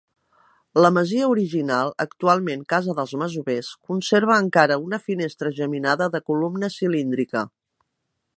La masia original, actualment casa dels masovers, conserva encara una finestra geminada de columna cilíndrica.